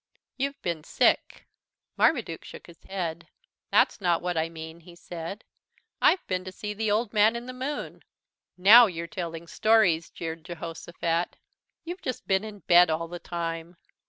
"You've been sick." Marmaduke shook his head. "That's not what I mean," he said. "I've been to see the Old Man in the Moon." "Now you're telling stories" jeered Jehosophat. "You've just been in bed all the time."